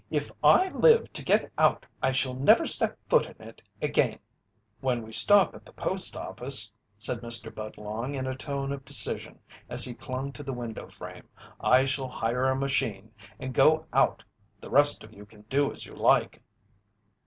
If I live to get out I shall never step foot in it again." "When we stop at the post office," said Mr. Budlong in a tone of decision as he clung to the window frame, "I shall hire a machine and go out the rest of you can do as you like."